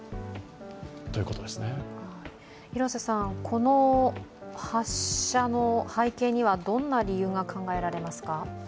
この発射の背景には、どんな理由が考えられますか。